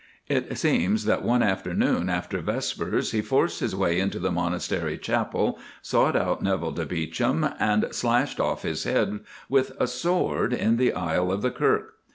"It seems that one afternoon after vespers he forced his way into the Monastery Chapel, sought out Neville de Beauchamp, and slashed off his head with a sword in the aisle of the Kirk.